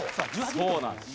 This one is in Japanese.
そうなんです。